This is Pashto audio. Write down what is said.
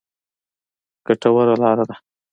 ګټوره لاره ده.